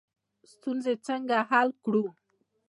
ستونزې څنګه حل کړو؟